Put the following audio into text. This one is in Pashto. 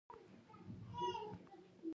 ارزو پر وخت ښوونځي ته ولاړه سه